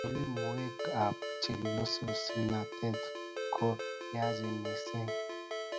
melekwekab chelesosnatet ko yachen mising